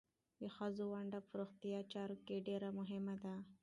د ښځو ونډه په روغتیايي چارو کې ډېره مهمه ده.